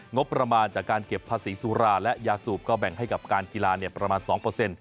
งบประมาณจากการเก็บภาษีสุราและยาสูบก็แบ่งให้กับการกีฬาประมาณ๒เปอร์เซ็นต